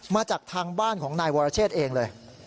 มาจากทางบ้านของนายวรเชษเองเลย